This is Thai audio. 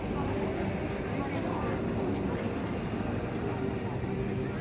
มันเป็นสิ่งที่จะให้ทุกคนรู้สึกว่ามันเป็นสิ่งที่จะให้ทุกคนรู้สึกว่า